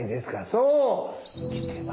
そう！